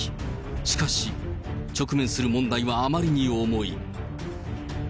しかし、直面する問題はあまりに重い。